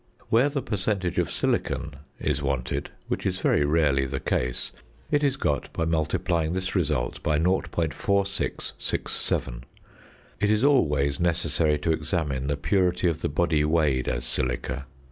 Where the percentage of silicon is wanted, which is very rarely the case, it is got by multiplying this result by 0.4667. It is always necessary to examine the purity of the body weighed as silica.